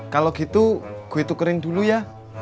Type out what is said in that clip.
kalau gitu gue tukerin dulu ya